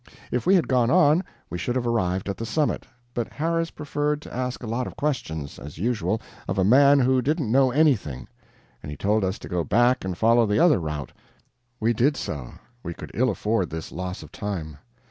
If we had gone on, we should have arrived at the summit, but Harris preferred to ask a lot of questions as usual, of a man who didn't know anything and he told us to go back and follow the other route. We did so. We could ill afford this loss of time.